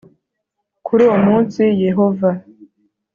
Kuri uwo munsi Yehova